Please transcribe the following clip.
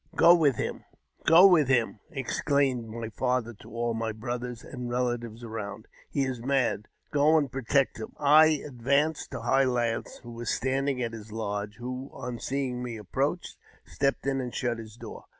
" Go with him — go with him !" exclaimed my father to all my brothers and relatives around. He is mad; go and protect him." I advanced to High Lance, who was standing at his lodge, who, on seeing me approach, stepped in and shut his door.